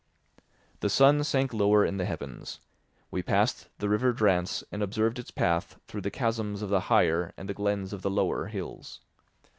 The sun sank lower in the heavens; we passed the river Drance and observed its path through the chasms of the higher and the glens of the lower hills.